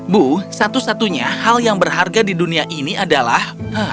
bu satu satunya hal yang berharga di dunia ini adalah